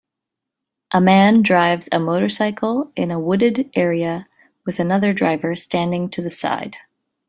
A man drives a motorcycle in a wooded area, with another driver standing to the side.